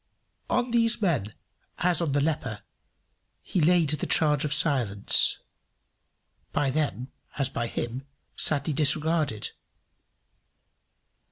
On these men, as on the leper, he laid the charge of silence, by them, as by him, sadly disregarded.